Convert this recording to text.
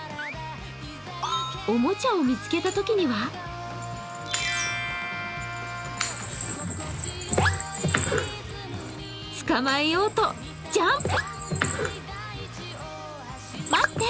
おもちゃを見つけたときにはつかまえようとジャンプ！